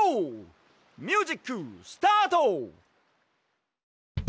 ミュージックスタート！